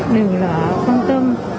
đừng là quan tâm